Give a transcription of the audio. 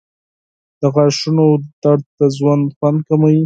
• د غاښونو درد د ژوند خوند کموي.